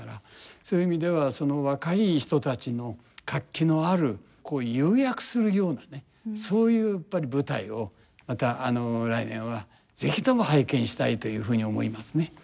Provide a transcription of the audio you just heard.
そういう意味ではその若い人たちの活気のあるこう勇躍するようなねそういうやっぱり舞台をまた来年は是非とも拝見したいというふうに思いますね。